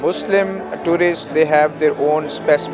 muslim turis mereka memiliki kebutuhan khusus